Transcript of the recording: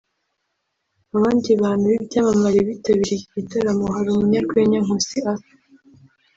Abandi bantu b’ibyamamare bitabiriye iki gitaramo hari umunyarwenya Nkusi Arthur